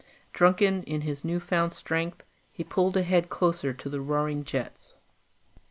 Drunken in his new found strength, he pulled ahead closer to the roaring jets.